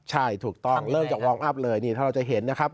ใช่ถูกต้องเริ่มจากวอร์มอัพเลยนี่ถ้าเราจะเห็นนะครับ